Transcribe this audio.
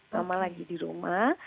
mama lagi di rumah